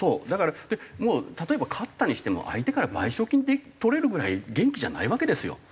だからもう例えば勝ったにしても相手から賠償金取れるぐらい元気じゃないわけですよ。